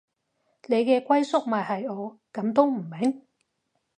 你嘅歸宿咪係我，噉都唔明